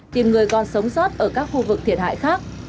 tìm người còn sống sót ở các khu vực thiệt hại khác